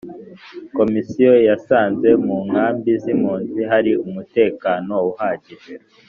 Komisiyo yasanze mu nkambi z impunzi hari umutekano uhagije